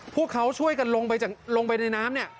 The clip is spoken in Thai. พวกเขาช่วยกันลงไปในน้ำ